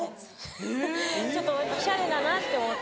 フフちょっとおしゃれだなって思って。